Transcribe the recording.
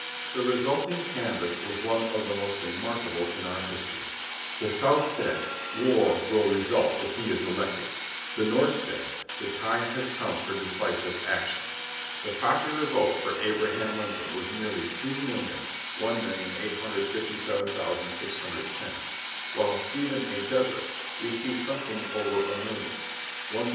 The resulting canvass was one of the most remarkable in our history. The South said, "War will result if he is elected." The North said, "The time has come for decisive action." The popular vote for Abraham Lincoln was nearly two millions (1,857,610), while Stephen A. Douglas received something over a million (1,291,574).